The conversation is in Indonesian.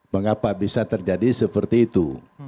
mengapa bisa terjadi seperti itu